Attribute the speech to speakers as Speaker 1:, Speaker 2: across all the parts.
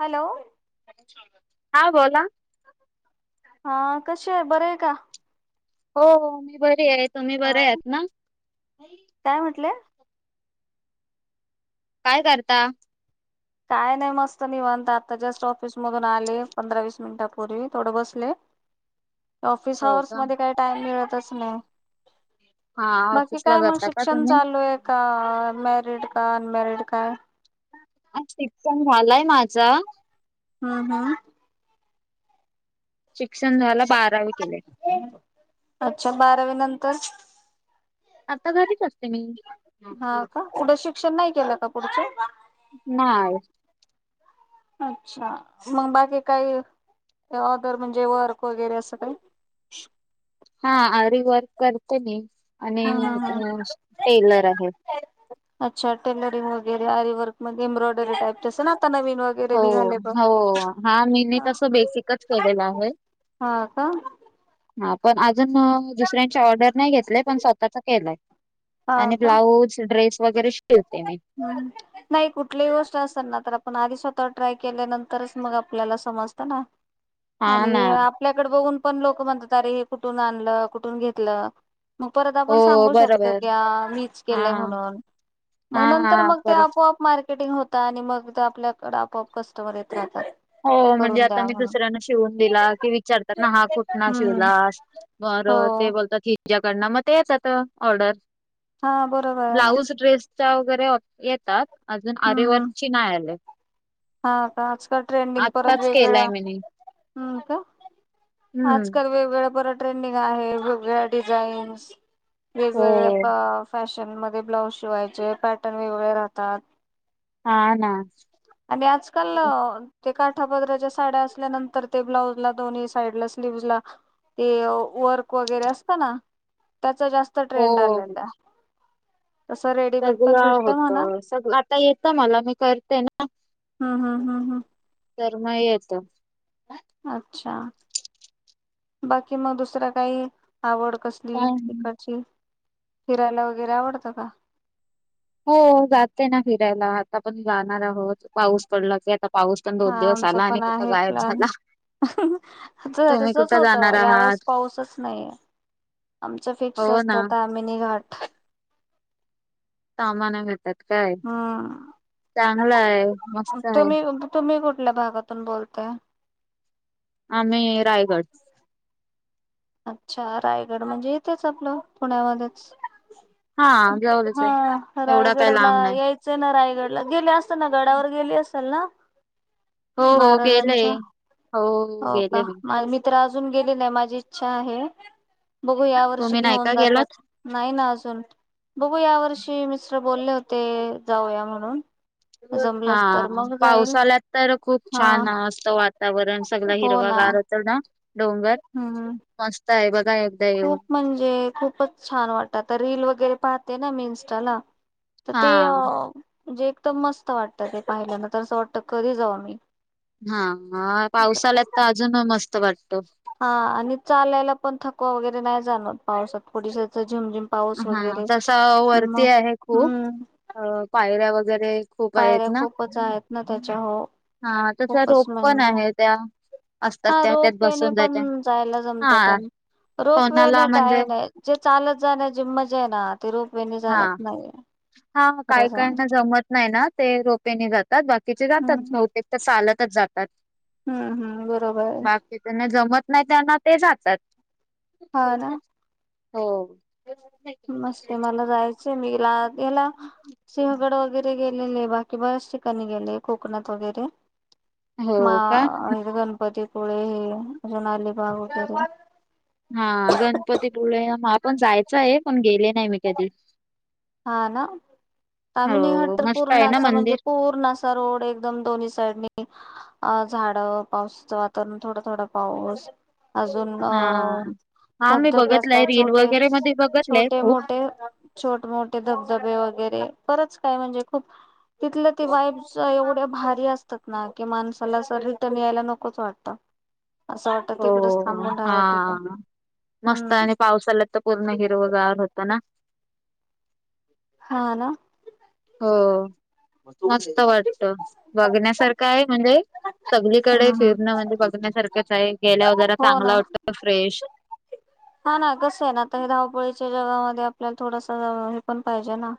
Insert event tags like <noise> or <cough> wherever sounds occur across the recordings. Speaker 1: Hello.
Speaker 2: हा बोला.
Speaker 1: हा कशी आहे बरंय का?
Speaker 2: हो हो मी बरीये तुम्ही बरेयत ना.
Speaker 1: काय म्हटले
Speaker 2: काय करता.
Speaker 1: काय नाही मस्त निवांत आता जस्ट ऑफिस मधून आले. पंधरा वीस मिनिटांपूर्वी थोडे बसले. ऑफिस
Speaker 2: हो
Speaker 1: अवर्स
Speaker 2: का
Speaker 1: मध्ये काही टाइम मिळतच नाही.
Speaker 2: हा
Speaker 1: बाकी
Speaker 2: ऑफिसला
Speaker 1: काय मग
Speaker 2: जाता का
Speaker 1: शिक्षण
Speaker 2: तुम्ही
Speaker 1: चालूये का? म मॅरीड का अनमॅरिड काये?
Speaker 2: आ शिक्षण झालाय माझ.
Speaker 1: हम्म हम्म
Speaker 2: शिक्षण झालं, बारावी केलय.
Speaker 1: तरच
Speaker 2: आता घरीच अस ते मी
Speaker 1: हा का पुढे शिक्षण नाही केलं का पुढच
Speaker 2: नाय. <inaudible>
Speaker 1: अच्छा, मग बाकी कायी? ऑदर म्हणजे वर्क वगैरे असं काही.
Speaker 2: हा, आरी वर्क करते मी. आणि
Speaker 1: हम्म हम्म
Speaker 2: अं टेलर आहे.
Speaker 1: हम्म अच्छा टेलरिंग वगैरे आरी वर्क मध्ये, एंब्रॉयडरी टाइप तस ना. ता नवीन वगैरे
Speaker 2: हो
Speaker 1: निघाले बग.
Speaker 2: हो हा मी मी तसं बेसिकच केलेलं आहे
Speaker 1: हा का?
Speaker 2: हा, पण अजून दुसऱ्यांची ऑर्डर नाही घेतले पण स्वतःच केलंय.
Speaker 1: हा
Speaker 2: आणि
Speaker 1: का
Speaker 2: ब्लाऊज, ड्रेस वगैरे शिवते
Speaker 1: <unintelligible>
Speaker 2: मी
Speaker 1: हम्म नाही कुठलीही गोष्ट असल ना तर आप पण आधी स्वतःवर ट्राय केल्यानंतरच मग आपल्याला समजत ना
Speaker 2: हा
Speaker 1: आणि
Speaker 2: ना
Speaker 1: आपल्याकड बघून पण लोक म्हणतात, अरे हे कुठून आणलं? कुठून घेतलं? मग परत
Speaker 2: हो
Speaker 1: आपण सांगू शकतो
Speaker 2: बरोबर
Speaker 1: की आ मीच
Speaker 2: हा
Speaker 1: केलंय म्हणून
Speaker 2: हा
Speaker 1: मग नंतर
Speaker 2: हा
Speaker 1: मग ते
Speaker 2: बरं
Speaker 1: आपोआप मार्केटिंग होत आणि मग ते आपल्याकड आपोआप कस्टमर येत राह
Speaker 2: हो, म्हणजे आता मी दुसऱ्यांना शिवून दिला की विचारतात ना, हा कुठना
Speaker 1: हम्म
Speaker 2: शिवलास? <unintelligible> अर
Speaker 1: हो.
Speaker 2: ते बोलतात हिज्याकडन, म ते यतात ऑर्डर
Speaker 1: हा, बरोबराय ना
Speaker 2: चा वगैरे ऑ येतात, अजून
Speaker 1: हम्म
Speaker 2: आरेवर्कची नाय आले.
Speaker 1: हा का? आजकाल ट्रेंडिंग परत
Speaker 2: आत्ताच
Speaker 1: वेगळ्या,
Speaker 2: केलाय मी नी
Speaker 1: हम् का?
Speaker 2: हम्म
Speaker 1: आजकाल वेगवेेगळ्या परत ट्रेंडिंग आहे, वेगवेगळ्या डिझाईन्स, वेगवेगळ्या
Speaker 2: हो
Speaker 1: पा फॅश शन मध्ये ब्लाउज शिवायचे, पॅटर्न वेगवेगळे राहतात.
Speaker 2: हा ना
Speaker 1: आणि आजकाल अ ते काठा पदराच्या साड्या असल्यानंतर ते ब्लाऊज ला दोन्ही साईड ला स्लीवज ला ते वर्क वगैरे असत ना, त्याचा जास्त ट्रेंड आलेलाय
Speaker 2: सगला होत,
Speaker 1: म्हणा
Speaker 2: सगल आता येतं मला मी करते ना
Speaker 1: ह, ह, ह, ह
Speaker 2: तर म येत.
Speaker 1: अच्छा! बाकी मग दुसर काही आवड कसली इकाची, फिरायला वगैरे आवडतं का?
Speaker 2: हो जाते ना फिरायला, आता पण जाणार आहोत पाऊस पडला की आता पाऊस पण
Speaker 1: हा
Speaker 2: दोन दिवस
Speaker 1: आमचा
Speaker 2: आला आणि
Speaker 1: पण
Speaker 2: कुठं
Speaker 1: आहे
Speaker 2: गायब
Speaker 1: प्लॅन
Speaker 2: झाला.
Speaker 1: <unintelligible>
Speaker 2: तुम्ही
Speaker 1: तसच
Speaker 2: कुठं
Speaker 1: होत,
Speaker 2: जाणार
Speaker 1: यावेेळेस
Speaker 2: आहात
Speaker 1: पाऊसच नाइये आमच फिक्स
Speaker 2: हो
Speaker 1: असत,
Speaker 2: ना
Speaker 1: तामिनी घाट
Speaker 2: आमाना भेततात काय?
Speaker 1: हम्म.
Speaker 2: चांगलाय्, मस्त आहे.
Speaker 1: कुटल्या भागातून बोलताय?
Speaker 2: आम्ही रायगड
Speaker 1: अच्छा! रायगड म्हणजे इथेच आपलं पुण्यामध्येच
Speaker 2: हा
Speaker 1: <unintelligible>
Speaker 2: जवळच आहे
Speaker 1: हा
Speaker 2: एवढा
Speaker 1: रायगड
Speaker 2: काही
Speaker 1: ला
Speaker 2: लांब नाही
Speaker 1: यायचंय ना रायगड ला गेले असन ना, गडावर गेली असल ना?
Speaker 2: हो हो गेले
Speaker 1: महाराजांच्या,
Speaker 2: हो
Speaker 1: हो का?
Speaker 2: गेले
Speaker 1: माल मी तर आज जून गेली नाही, माझी इच्छा आहे. बघू या वर्षी
Speaker 2: तुम्ही नाही
Speaker 1: घेऊन
Speaker 2: का
Speaker 1: जातात,
Speaker 2: गेलात
Speaker 1: नाही ना अजून, बघू या वर्षी मिस्टर बोलले होते, जाऊया म्हणून
Speaker 2: <unintelligible>
Speaker 1: जमलंच तर
Speaker 2: हा
Speaker 1: मग जाईल
Speaker 2: पावसाल्यात तर खूप
Speaker 1: हा
Speaker 2: छान असत वातावरण सगल
Speaker 1: हो
Speaker 2: हिरव
Speaker 1: ना
Speaker 2: गार होतं ना डोंगर,
Speaker 1: हम्म
Speaker 2: मस्त आहे बघ
Speaker 1: खूप म्हणजे खूपच छान वाटत आता रील वगैरे पाहते ना मी इंस्टाला त ते अ
Speaker 2: हा
Speaker 1: म्हणजे एकदम मस्त वाटत ते पाहिल्यांदा त असं वाटत कधी जाऊ आम्ही
Speaker 2: हाअ पावसाल्यात त अजून मस्त वाटत.
Speaker 1: हा आणि चालायला पण थकवा वगैरे नाही जाणवत पावसात <unintelligible> पाऊस
Speaker 2: हा
Speaker 1: वगैरे
Speaker 2: तस वरती
Speaker 1: मग
Speaker 2: आहे खूप,
Speaker 1: हम्म
Speaker 2: अ पायऱ्या वगैरे खूप
Speaker 1: पायऱ्या
Speaker 2: आहेत ना
Speaker 1: खूपच आहेत ना, त्याच्या हो
Speaker 2: हा तस
Speaker 1: खूपच
Speaker 2: रोप पण
Speaker 1: म्हणजे
Speaker 2: आहे त्या असतात
Speaker 1: हा
Speaker 2: त्या त्यात
Speaker 1: रोप वेे
Speaker 2: बसून जायच्या
Speaker 1: पण जायला जमत
Speaker 2: हा
Speaker 1: पण रोप वे
Speaker 2: कोणाला
Speaker 1: ने
Speaker 2: म्हणजे
Speaker 1: काय नाई, जे चालत जाण्यात जे मजा आय ना ते रोप वेने
Speaker 2: हा
Speaker 1: जाण्यात नाहीये.
Speaker 2: हा
Speaker 1: खरं
Speaker 2: काही
Speaker 1: सांग
Speaker 2: काहीना जमत नाही ना ते रोपेने जातात, बाकीचे जातात,
Speaker 1: हम्म
Speaker 2: बहुतेक त चालतच जातात.
Speaker 1: हम्म हम्म बरोबर आहे
Speaker 2: बाकीकी त्यांना जमत नाही त्यांना ते जातात
Speaker 1: हा ना
Speaker 2: हो
Speaker 1: मस्त मला जायचंय मीला याला सिंहगड वगैरे गेलेले बाकी बऱच ठिकाणी गेले कोकणात वगैरे मा
Speaker 2: हो का
Speaker 1: गणपतीपुळे हे अजून आलीबाग वगैरे
Speaker 2: हा गणपतीपुळे म पण जायचं आहे पण गेले नाही मी कधी
Speaker 1: हा ना आम्ही निघट
Speaker 2: हो
Speaker 1: तर
Speaker 2: मस्त
Speaker 1: पूर्ण
Speaker 2: आहे ना
Speaker 1: असा म्हणजे
Speaker 2: मंदिर
Speaker 1: पूर्ण असा रोड एकदम दोन्ही साईडनी अ झाड पावसाचं वातावरण थोडा थोडा पाऊस अजून अ
Speaker 2: हा. हा मी
Speaker 1: धबधबे
Speaker 2: बघितलंय
Speaker 1: असतात
Speaker 2: रील
Speaker 1: छोटे
Speaker 2: वगैरे मध्ये बघितलंय
Speaker 1: छोटे
Speaker 2: खूप
Speaker 1: मोठे छोट मोठे धबधबे वगैरे खरंच काय म्हणजे खूप तिथलं ते वाईब एवढे भारी असतात ना की माणसाला अस रिटर्न यायला नकोच वाटतं असं वाटत तिकडच
Speaker 2: हो
Speaker 1: थांबून
Speaker 2: हा
Speaker 1: राहावं की काय
Speaker 2: मस्त
Speaker 1: हम्म
Speaker 2: आणि पावसालात तर पूर्ण हिरवगावर होत ना
Speaker 1: हा ना
Speaker 2: हो मस्त वाटत बघण्यासारखं आहे म्हणजे
Speaker 1: हम्म
Speaker 2: सगळीकडे
Speaker 1: हम्म
Speaker 2: फिरणं म्हणजे बघण्यासारखंच आहे गेल्यावर जला
Speaker 1: हो ना
Speaker 2: चांगला वाटतो फ्रेश
Speaker 1: हा ना कसं आहे ना आता हे धावपळीच्या जगामध्ये आपल्याला थोडासा हे पण पाहिजे ना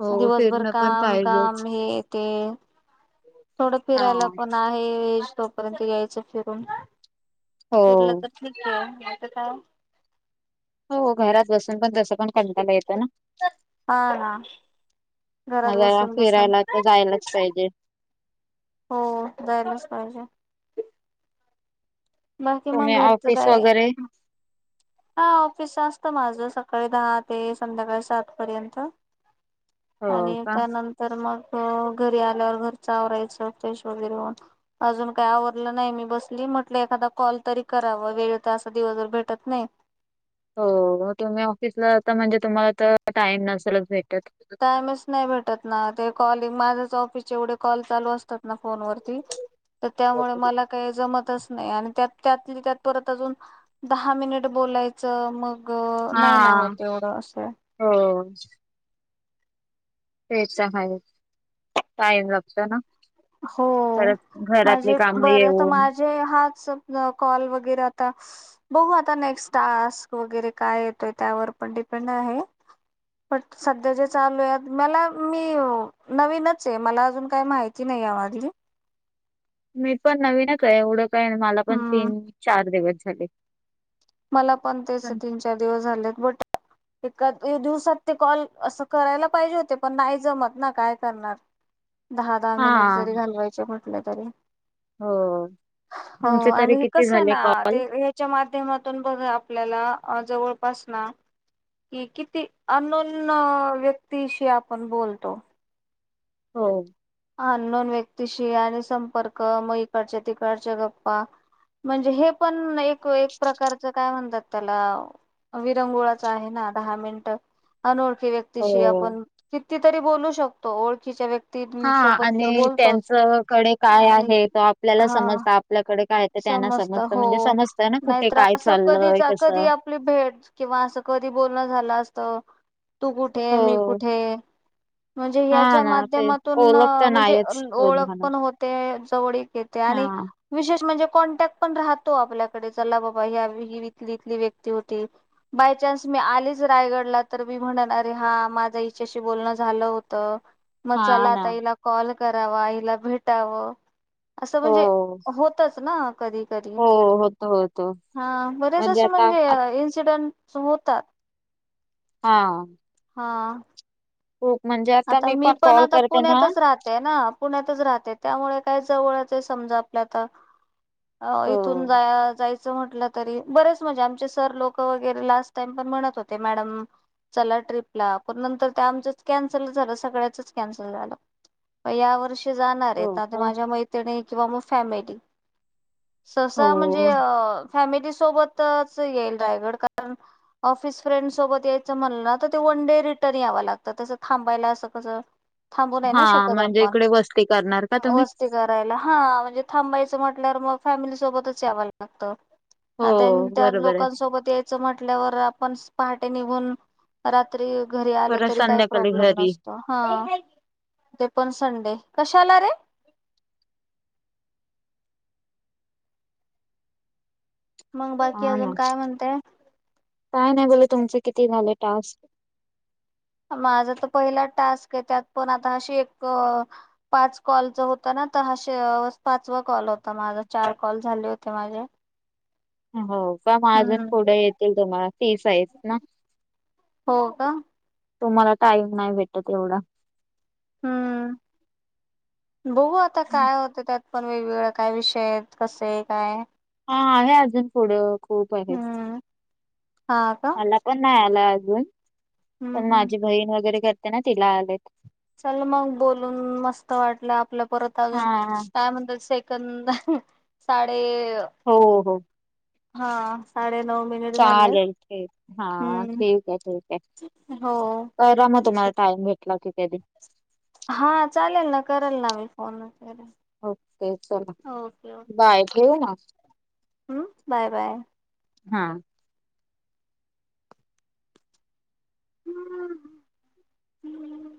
Speaker 2: हो
Speaker 1: दिवसभर
Speaker 2: फिरणं पण
Speaker 1: काम
Speaker 2: पाहिजेच
Speaker 1: काम हे ते थोडं
Speaker 2: हा
Speaker 1: फिरायला पण आहे तोपर्यंत यायचं फिरून
Speaker 2: हो
Speaker 1: फिरलं तर ठीक आहे का
Speaker 2: हो घरात बसून पण तस पण कंटायला येतं ना
Speaker 1: हा ना घरात
Speaker 2: मग जरा
Speaker 1: बसून बसून
Speaker 2: फिरायला तर जायलाच पाहिजे
Speaker 1: हो जायलाच पाहिजे बाकी
Speaker 2: तुम्ही
Speaker 1: मग घरचं
Speaker 2: ऑफिस
Speaker 1: काय
Speaker 2: वगैरे
Speaker 1: हा ऑफिस असत माझ स सकाळी दहा ते संध्याकाळी सात पर्यंत
Speaker 2: हो
Speaker 1: आणि
Speaker 2: का
Speaker 1: त्यानंतर मग घरी आल्यावर घरच आवरायचं फ्रेश वगैरे होन अजून काय आवरलं नाही मी बसली म आपण एखादा कॉल तरी करावा वेळ तर अस दिवसभर भेटत नाही
Speaker 2: हो तुम्ही ऑफिसला जाता म्हणजे तुम्हाला तर टाइम नसेलच भेटत
Speaker 1: टायमच नाही भेटत ना ते कॉलिंग माझ्याच ऑफिस एवढे कॉल चालू असतात ना फोनवर त्यामुळे मला का जमत नाही आणि त्या त्यात त्यात परत अजून दहा मिनिट बोलायचं मग ग
Speaker 2: हा
Speaker 1: नाही ना होत एवढं असं
Speaker 2: हो तेच आहे टाईम लागतो ना
Speaker 1: हो
Speaker 2: परत घरातली
Speaker 1: म्हणजे
Speaker 2: कामं
Speaker 1: बर तर
Speaker 2: येऊन
Speaker 1: माझे ह कॉल वगैरे आता बघू आता नेक्स्ट टास्क वगैरे काय येतोय त्यावर पण डिपेंड आहे पण सध्या जे चालू आहे मला मी नवीनच आहे मला अजून काय माहि ती नाही हो आतली
Speaker 2: मी पण नवीनच आहे एवढं काय मला पण
Speaker 1: हम्म
Speaker 2: तीन चार दिवस झाले.
Speaker 1: मला पण तेच तीन चार दिवस झालेत बट एका दिवसात ते कॉल असं करायला पाहिजे होते पण नाही जमत ना काय करणार दहा दहा मिनिट
Speaker 2: हा
Speaker 1: जरी घालवायचे म्हटले तरी
Speaker 2: हो
Speaker 1: हो
Speaker 2: तुमचे तरी
Speaker 1: आणि हे
Speaker 2: किती
Speaker 1: कस
Speaker 2: झाले
Speaker 1: ना
Speaker 2: कॉल?
Speaker 1: ते ह्याच्या माध्यमात बघा आपल्याला जवळपास ना कि किती अनोन व्यक्तीशी आपण बोलतो.
Speaker 2: हो.
Speaker 1: अननोन व्यक्तीशी आणि संपर्क मग इकडच्या तिकडच्या गप्पा म्हणजे हे पण एक एक प्रकारच काय म्हणतात त्याला विरंगुळाच आहे ना दहा मिनट अनोळ की व्यक्तीशी
Speaker 2: हो
Speaker 1: आपण किती तरी बोलू शकतो ओळखीच्या व्यक्ती
Speaker 2: हा
Speaker 1: सोबत तर
Speaker 2: आणि
Speaker 1: बोलतोच
Speaker 2: त्यांचकडे काय
Speaker 1: आणि
Speaker 2: आहे तो आपल्याला
Speaker 1: हा
Speaker 2: समजता आपल्याकडे काय तर त्यांना
Speaker 1: समजत
Speaker 2: समजतं
Speaker 1: हो
Speaker 2: म्हणजे समजतं ना
Speaker 1: नाही
Speaker 2: कुठे
Speaker 1: तर
Speaker 2: काय
Speaker 1: अस कधीच
Speaker 2: चाललंय
Speaker 1: कधी
Speaker 2: कसं
Speaker 1: आपली भेट किंवा असं कधी बोलणं झालं असतं. तू कुठे आहे मी
Speaker 2: हो
Speaker 1: कुठे आहे? म्हणजे
Speaker 2: हा
Speaker 1: ह्यच्या
Speaker 2: ना ते
Speaker 1: माध्यमातून
Speaker 2: ओळख तर
Speaker 1: म्हणजे
Speaker 2: नाहीच होत
Speaker 1: ओळख
Speaker 2: म्हणून
Speaker 1: पण होते जवळीेक येते.
Speaker 2: हा
Speaker 1: आणि विशेष म्हणजे कॉन्टॅक्ट पण राहतो आपल्याकडे चला बाबा ह्या ही इथली व्यक्ती होती माझ्या जस्ट मी आलीच रायगडला तर मी म्हणणार अरे हा माझ हीच्याशी बोलणं झालं होत. मग
Speaker 2: हा
Speaker 1: चला
Speaker 2: ना
Speaker 1: आता हिला कॉल करावा हिला भेटाव असं
Speaker 2: हो
Speaker 1: म्हणजे होत कधी कधी
Speaker 2: हो होतो होतो
Speaker 1: हा बरेच
Speaker 2: म्हणजे
Speaker 1: असे
Speaker 2: आता आ-
Speaker 1: म्हणजे इन्सिडेंट सुमूतात
Speaker 2: हा.
Speaker 1: हा.
Speaker 2: खूप म्हणजे
Speaker 1: आता मी पण
Speaker 2: कॉल
Speaker 1: आता
Speaker 2: करते ना
Speaker 1: पुण्यातच राहते ना पुण्यातच राहते त्यामुळे काय जवळच आहे समजा आपल्या आता
Speaker 2: हो
Speaker 1: इथून जाया जायचं. च म्हटलं तरी बरेच म्हणजे आमचे सर लोक वगैरे लास्ट टाईम पण म्हणत होते मॅडम चला ट्रीपला पण नंतर त्या आमच्याच कॅन सल झालं सगळ्याचच कॅन्सल झालं म यावर्षी जाणार आहेत
Speaker 2: हो
Speaker 1: ते आता
Speaker 2: काय
Speaker 1: माझ्या मैत्रिणी किंवा मग फॅमिली सहसा म्हणजे
Speaker 2: हो
Speaker 1: अ फॅमिली सोबतच येईल रायगड कारण ऑफिस फ्रेंड सोबत यायचं म्हणल तर तेवढ वन डे रिटर्न याव लागत तस थांबायला असं कस थांबूू नाही ना
Speaker 2: हा
Speaker 1: शकत
Speaker 2: म्हणजे
Speaker 1: आपण
Speaker 2: इकडे वस्ती करणार का तुम्ही
Speaker 1: वस्ती करायला. हा म्हणजे थांबायचं म्हटल्यार मग फॅमिली सोबतच याव लागतं. त्यां
Speaker 2: हो
Speaker 1: त्या
Speaker 2: बरोबर आहे
Speaker 1: लोकांसोबत यायचं म्हटल्यावर आपण प टे निघून रात्री घरी आल
Speaker 2: परत
Speaker 1: तरी काय
Speaker 2: संध्याकाळी
Speaker 1: प्रॉब्लेम
Speaker 2: घरी
Speaker 1: नसतो हा ते पण संडे कशाला रे मग बाकी
Speaker 2: हा ना
Speaker 1: अजून काय म्हणतेय?
Speaker 2: काय नाही बोलले तुमचे किती झाले टास्क?
Speaker 1: माझा तर पहिला टास्क आहे त्यात पण आता अशी एक पाच कॉलच होत ना आता हा शे पाचवा कॉल होता माझा चार कॉल झाले होते माझे
Speaker 2: हम्म बरं बगा अजून
Speaker 1: हम्म
Speaker 2: पुढे येतील तुम्हाला तीस आहेत ना
Speaker 1: हो का
Speaker 2: तुम्हाला टाईम नाही भेटत एवढा
Speaker 1: हम्म बघू आता काय होत त्यात पण वेगवेगळे काय विषय आहेत कस आहे काय
Speaker 2: हा आहे अजून पुढं खूप आहे
Speaker 1: हम्म हा का
Speaker 2: मला पण नाही आला
Speaker 1: हम्म
Speaker 2: पण
Speaker 1: हम्म
Speaker 2: माझी बहीण वगैरे करते ना तिला आलेत
Speaker 1: चल मग बोलून मस्त वाटलं आपल्या परत अजून
Speaker 2: हा
Speaker 1: काय म्हणत कध साडे
Speaker 2: हो हो
Speaker 1: हा साडेत
Speaker 2: चालेल ठीक हा
Speaker 1: हम्म
Speaker 2: ठीक आहे ठीक आहे
Speaker 1: हो
Speaker 2: करा मग
Speaker 1: ठीक
Speaker 2: तुम्हा
Speaker 1: आहे
Speaker 2: टाम घला क <unintelligible>
Speaker 1: हा चालेल ना करल ना मी फोन वगैरे
Speaker 2: ओके चला
Speaker 1: ओके ओके
Speaker 2: बाय ठेवू ना
Speaker 1: हम्म बाय बाय
Speaker 2: हा
Speaker 1: हम्म हम्म